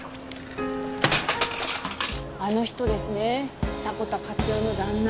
あの人ですね迫田勝代の旦那。